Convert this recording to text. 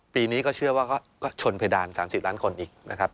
ปีนี้ก็เชื่อว่าก็ชนเพดาน๓๐ล้านคนอีกนะครับ